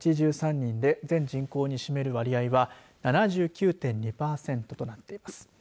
人で全人口に占める割合は７９．２パーセントとなっています。